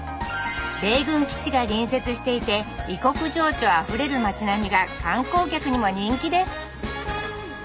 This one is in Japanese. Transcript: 米軍基地が隣接していて異国情緒あふれる町並みが観光客にも人気です